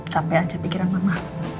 sampai aja pikiran mama